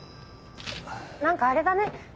何かあれだね